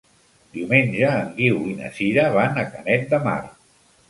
Diumenge en Guiu i na Sira van a Canet de Mar.